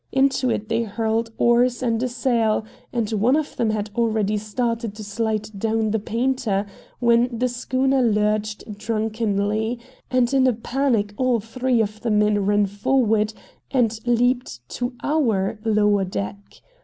Into it they hurled oars and a sail, and one of them had already started to slide down the painter when the schooner lurched drunkenly; and in a panic all three of the men ran forward and leaped to our lower deck.